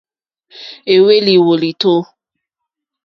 Éhwélì wòlìtó.